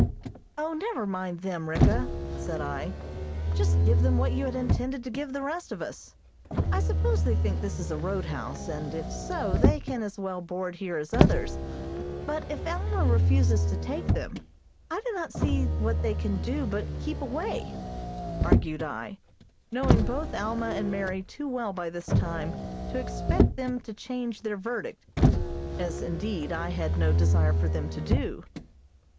"O, never mind them, Ricka," said I, "just give them what you had intended to give the rest of us. I suppose they think this is a roadhouse, and, if so, they can as well board here as others; but if Alma refuses to take them, I do not see what they can do but keep away," argued I, knowing both Alma and Mary too well by this time to expect them to change their verdict, as, indeed, I had no desire for them to do.